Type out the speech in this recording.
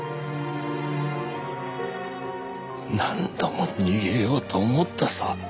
何度も逃げようと思ったさ。